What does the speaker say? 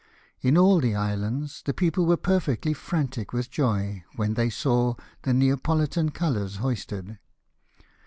In all the islands the people Avere perfectly frantic with joy when they saw the Neapolitan colours hoisted.